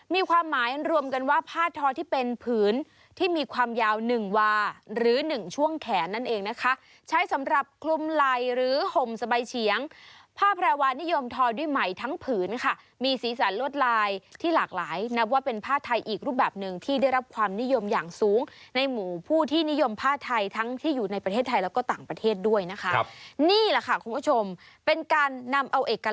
มีความหมายรวมกันว่าผ้าทอที่เป็นผืนที่มีความยาวหนึ่งวาหรือหนึ่งช่วงแขนนั่นเองนะคะใช้สำหรับกลุ่มไหลหรือห่มสบายเฉียงผ้าพราวะนิยมทอด้วยใหม่ทั้งผืนค่ะมีสีสันลดลายที่หลากหลายนับว่าเป็นผ้าไทยอีกรูปแบบหนึ่งที่ได้รับความนิยมอย่างสูงในหมู่ผู้ที่นิยมผ้าไทยทั้งที่อยู่ในประ